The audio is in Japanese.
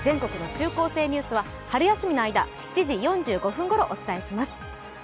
中高生ニュース」は春休みの間、７時４５分ごろお伝えします。